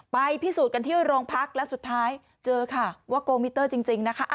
พิสูจน์กันที่โรงพักและสุดท้ายเจอค่ะว่าโกงมิเตอร์จริงนะคะ